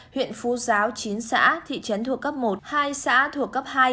huyện phú giáo chín xã thị trấn thuộc cấp một hai xã thuộc cấp hai